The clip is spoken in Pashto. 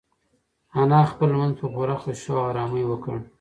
انا خپل لمونځ په پوره خشوع او ارامۍ وکړ.